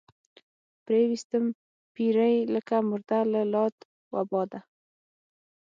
پرې ويستم پيرۍ لکه مرده لۀ لاد وباده